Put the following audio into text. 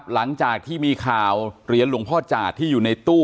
หลังจากที่มีข่าวเหรียญหลวงพ่อจาดที่อยู่ในตู้